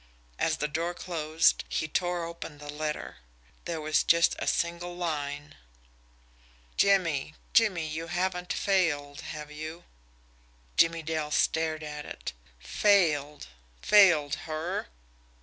As the door closed, he tore open the letter. There was just a single line: Jimmie Jimmie, you haven't failed, have you? Jimmie Dale stared at it. Failed! Failed HER!